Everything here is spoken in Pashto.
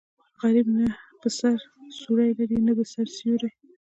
غریب نه په سر څوړی لري او نه د سر سیوری.